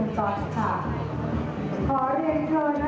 สวัสดีครับ